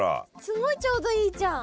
すごいちょうどいいじゃん。